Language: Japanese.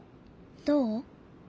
どう？